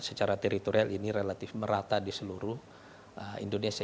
secara teritorial ini relatif merata di seluruh indonesia